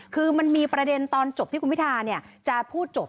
คือมันมีประเด็นตอนจบที่คุณพิทาจะพูดจบ